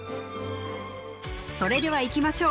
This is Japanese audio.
それではいきましょう